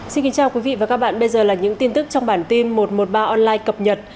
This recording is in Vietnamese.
xin kính chào quý vị và các bạn bây giờ là những tin tức trong bản tin một trăm một mươi ba online cập nhật